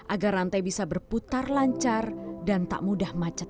agar rantai bisa berputar lancar dan tak mudah macet